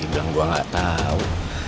ibang gua gak tau